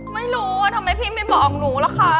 ไม่รู้ว่าทำไมพี่ไม่บอกหนูล่ะคะ